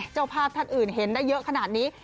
เจ้าภาพท่านอื่นเห็นได้เยอะขนาดนี้